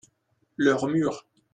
leurs murs.